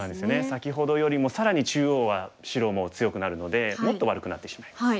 先ほどよりも更に中央は白もう強くなるのでもっと悪くなってしまいます。